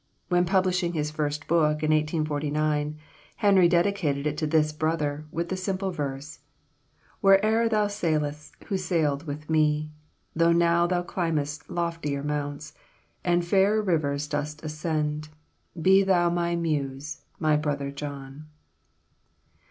When publishing his first book, in 1849, Henry dedicated it to this brother, with the simple verse "Where'er thou sail'st who sailed with me, Though now thou climbest loftier mounts, And fairer rivers dost ascend, Be thou my Muse, my Brother John."